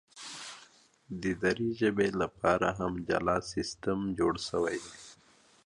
د دري ژبي لپاره هم جلا سیستم جوړ سوی دی.